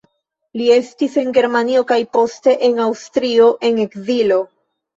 Li estis en Germanio kaj poste en Aŭstrio en ekzilo.